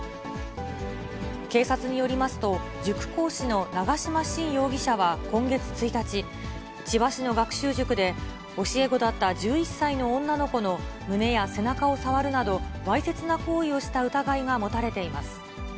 警察によりますと、塾講師の長島新容疑者は今月１日、千葉市の学習塾で、教え子だった１１歳の女の子の胸や背中を触るなど、わいせつな行為をした疑いが持たれています。